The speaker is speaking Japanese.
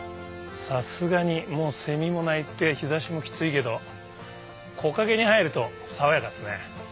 さすがにもうセミも鳴いて日差しもキツいけど木陰に入ると爽やかですね。